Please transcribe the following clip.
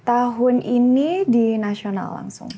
tahun ini di nasional langsung